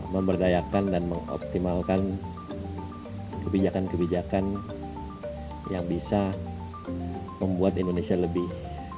memberdayakan dan mengoptimalkan kebijakan kebijakan yang bisa membuat indonesia lebih